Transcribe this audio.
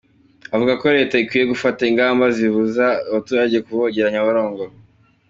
Iyi ninayo mpamvu iki gihugu bacyitirira igihugu kidakoresha impapuro’ 'Paperless government'.